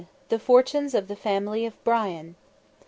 THE FORTUNES OF THE FAMILY OF BRIAN.